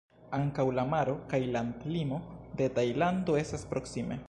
Ankaŭ la maro kaj landlimo de Tajlando estas proksime.